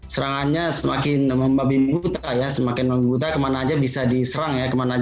serangannya semakin membabim buta semakin membabim buta kemana saja bisa diserang